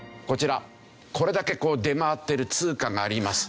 こちらこれだけ出回ってる通貨があります。